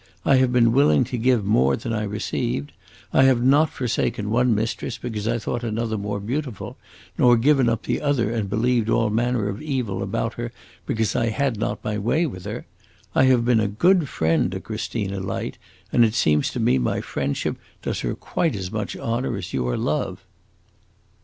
I have been willing to give more than I received. I have not forsaken one mistress because I thought another more beautiful, nor given up the other and believed all manner of evil about her because I had not my way with her. I have been a good friend to Christina Light, and it seems to me my friendship does her quite as much honor as your love!"